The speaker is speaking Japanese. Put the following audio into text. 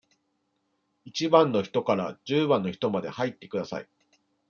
一番の人から十番の人まで入ってください。